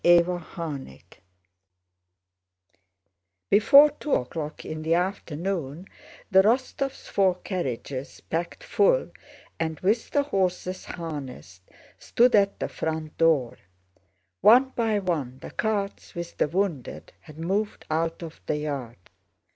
CHAPTER XVII Before two o'clock in the afternoon the Rostóvs' four carriages, packed full and with the horses harnessed, stood at the front door. One by one the carts with the wounded had moved out of the yard.